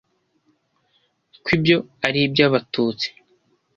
ko ibyo ari iby’abatutsi